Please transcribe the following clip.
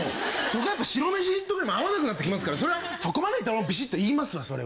そこはやっぱ白メシとかも合わなくなってきますからそれはそこまでいったら俺もビシッと言いますわそれはね。